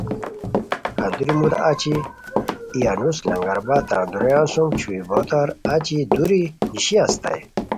کندوری مودا اچی ای انوس لنگرآباد تان دُورو رویان سُم چھویو بوتار اچی دُوری نیشی استائے